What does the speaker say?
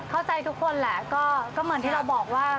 ทุกคนแหละก็เหมือนที่เราบอกว่า